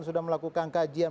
sudah melakukan kajian